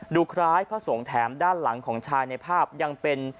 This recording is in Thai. ดูคล้ายพระสงฆ์แถมด้านหลังของชายในภาพยังเป็น